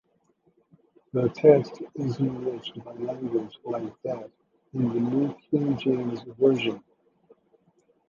The text is enriched by language like that in the New King James Version.